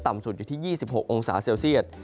สุดอยู่ที่๒๖องศาเซลเซียต